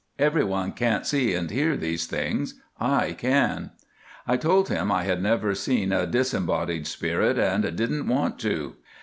Everyone can't see and hear these things. I can." I told him I had never seen a disembodied spirit, and didn't want to.